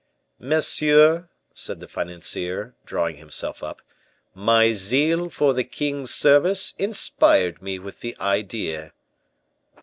"Monsieur," said the financier, drawing himself up, "my zeal for the king's service inspired me with the idea."